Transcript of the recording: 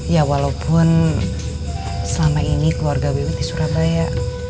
ya walaupun selama ini keluarga wiwi di surabaya